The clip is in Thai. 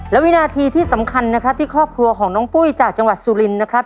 และวินาทีที่สำคัญนะครับที่ครอบครัวของน้องปุ้ยจากจังหวัดสุรินนะครับ